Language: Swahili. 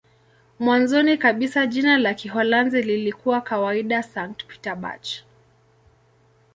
Mwanzoni kabisa jina la Kiholanzi lilikuwa kawaida "Sankt-Pieterburch".